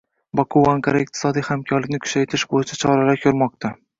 Boku va Anqara iqtisodiy hamkorlikni kuchaytirish bo‘yicha choralar ko‘rmoqda